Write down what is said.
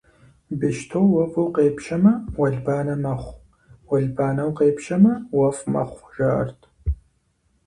Бещто уэфӀу къепщэмэ, уэлбанэ мэхъу, уэлбанэу къепщэмэ, уэфӀ мэхъу, жаӀэрт.